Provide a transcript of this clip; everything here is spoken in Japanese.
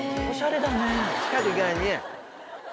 おしゃれだね。